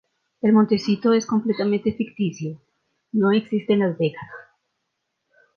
El Montecito es completamente ficticio, no existe en Las Vegas.